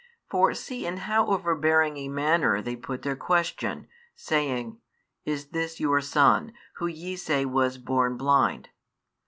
For see in how overbearing a manner they put their question, saying: Is this your son, who ye say was born blind?